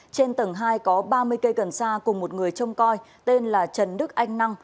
trên tầng hai có ba mươi cây cần sa cùng một người trông coi tên là trần đức anh năng